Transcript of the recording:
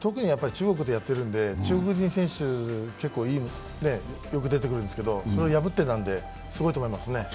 特に中国でやっているので、中国人選手結構よく出てくるんですけど、それを破ってなんですごいと思いますね。